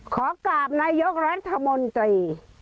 ขอกราบนายกรัฐมนตรี